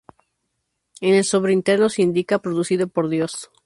En el sobre interno se indica: "producido por Dios".